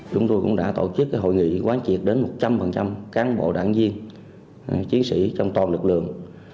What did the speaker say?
chúng tôi cũng đã tổ chức hội nghị quán triệt đến một trăm linh cán bộ đảng viên chiến sĩ trong toàn lực lượng